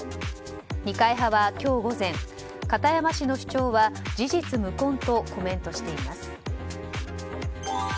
二階派は今日午前片山氏の主張は事実無根とコメントしています。